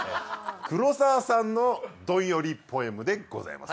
黒沢さんのどんよりポエムでございます。